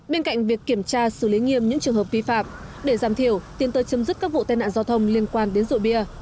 bên cạnh việc kiểm tra xử lý nghiêm những trường hợp vi phạm để giảm thiểu tiến tới chấm dứt các vụ tai nạn giao thông liên quan đến rượu bia